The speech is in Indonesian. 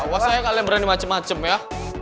awas aja kalian berani macem macem ya